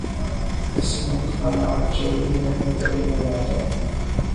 اس ملک کا نام چوہدری رحمت علی نے بنایا تھا۔